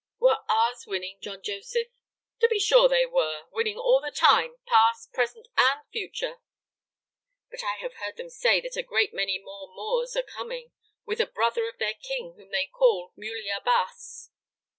"Were ours winning, John Joseph?" "To be sure they were. Winning all the time, past, present, and future." "But I have heard them say that a great many more Moors are coming, with a brother of their king, whom they call Muley Abbas."